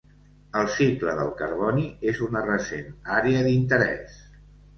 El cicle del carboni és una recent àrea d'interès.